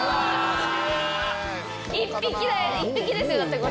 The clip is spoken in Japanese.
１匹だよ！